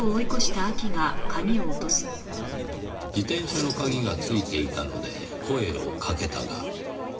自転車の鍵が付いていたので声をかけたが。